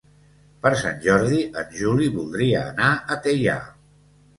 Per Sant Jordi en Juli voldria anar a Teià.